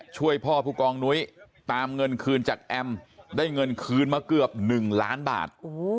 ช่วยพ่อผู้กองนุ้ยตามเงินคืนจากแอมได้เงินคืนมาเกือบ๑ล้านบาท